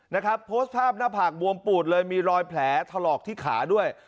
นะครับโพสต์ภาพหน้าผากบวมปูดเลยมีรอยแผลถลอกที่ขาด้วย